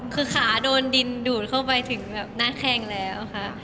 คือขาโดนดินดูดเข้าไปถึงแบบหน้าแข้งแล้วค่ะ